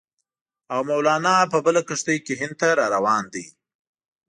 او مولنا په بله کښتۍ کې هند ته را روان دی.